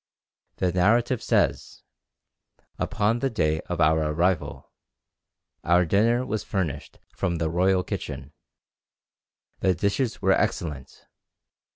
The narrative says, "Upon the day of our arrival our dinner was furnished from the royal kitchen. The dishes were excellent.